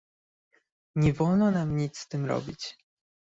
"nie wolno nam nic z tym robić